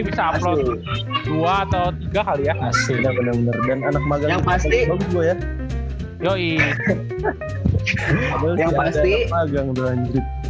bisa upload dua atau tiga kali ya asli bener bener dan anak magang yang pasti gue ya yoi